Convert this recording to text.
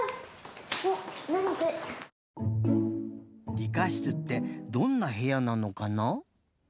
理科室ってどんなへやなのかな？